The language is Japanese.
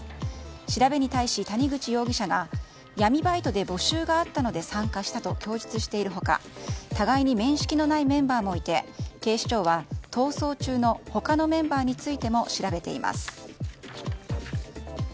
調べに対し、谷口容疑者が闇バイトで募集があったので参加したと供述している他互いに面識のないメンバーもいて警視庁は逃走中の他のメンバーについても調べています。